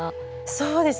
そうです。